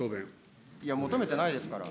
いや、求めてないですから。